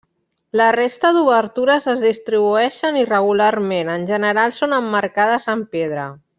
La resta d'obertures es distribueixen irregularment, en general són emmarcades en pedra.